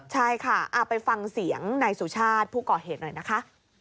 ใช่ค่ะไปฟังเสียงนายสุชาติผู้ก่อเหตุหน่อยนะคะ